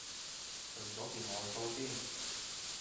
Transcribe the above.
除咗件外套先